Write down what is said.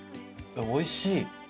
おいしい！